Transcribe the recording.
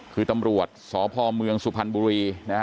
คือตำรวจสพเมืองสุพรรณบุรีนะฮะ